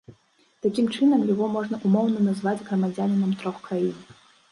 Такім чынам, яго можна ўмоўна назваць грамадзянінам трох краін.